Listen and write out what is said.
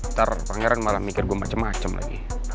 ntar pangeran malah mikir gue macem macem lagi